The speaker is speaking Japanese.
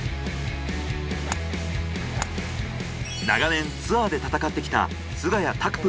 長年ツアーで戦ってきた菅谷拓